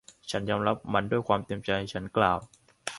ฉันยอมรับมันด้วยความเต็มใจ ฉันกล่าว